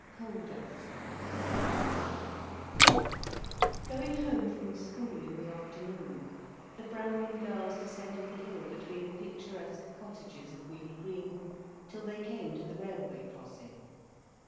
COAL DUST Going home from school in the afternoon, the Brangwen girls descended the hill between the picturesque cottages of Willey Green till they came to the railway crossing.